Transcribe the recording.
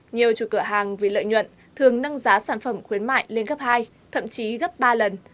nhiều chủ cửa hàng vì lợi nhuận thường nâng giá sản phẩm khuyến mại lên gấp hai thậm chí gấp ba lần